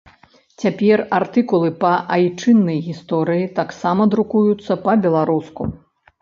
Цяпер артыкулы па айчыннай гісторыі таксама друкуюцца па-беларуску.